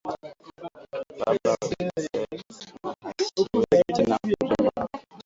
Baba ana zeka sana ashiwezi tena kurima